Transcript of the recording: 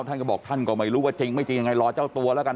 ท่านก็บอกท่านก็ไม่รู้ว่าจริงไม่จริงยังไงรอเจ้าตัวแล้วกัน